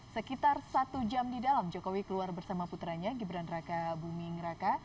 sekitar satu jam di dalam jokowi keluar bersama putranya gibran raka buming raka